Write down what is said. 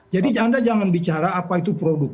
jadi anda jangan bicara apa itu produk